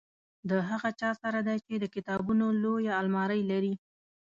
د هغه چا سره دی چې د کتابونو لویه المارۍ لري.